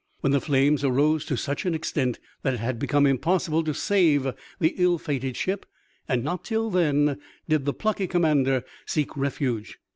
When the flames arose to such an extent that it had become impossible to save the ill fated ship, and not till then, did the plucky commander seek refuge.